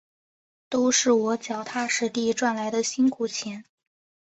都是我脚踏实地赚来的辛苦钱